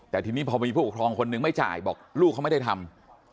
แต่ทีนี้พอมีผู้ปกครองคนนึงไม่จ่ายบอกลูกเขาไม่ได้ทำ